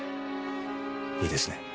いいですね？